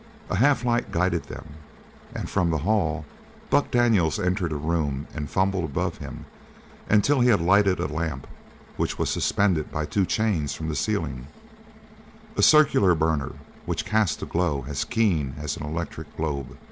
A hall light guided them, and from the hall Buck Daniels entered a room and fumbled above him until he had lighted a lamp which was suspended by two chains from the ceiling, a circular burner which cast a glow as keen as an electric globe.